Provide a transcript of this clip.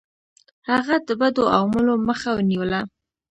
هغه د بدو عواملو مخه نیوله.